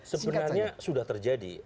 sebenarnya sudah terjadi